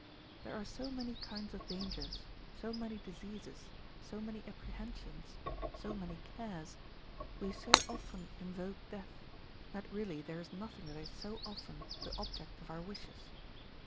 There are so many kinds of dangers, so many diseases, so many apprehensions, so many cares, we so often invoke death, that really there is nothing that is so often the object of our wishes.